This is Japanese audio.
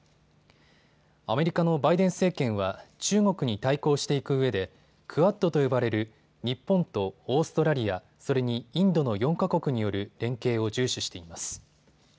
アメリカのバイデン政権は中国に対抗していくうえでクアッドと呼ばれる日本とオーストラリア、それにインドの４か国による連携を重視しています。